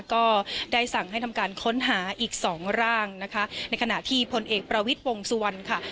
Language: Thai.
ก็ได้สั่งให้ทำการค้นหาอีกสองร่างนะคะในขณะที่พลเอกประวิทย์วงสุวรรณค่ะ